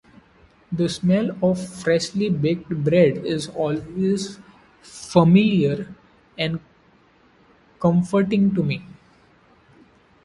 The smell of freshly baked bread is always familiar and comforting to me.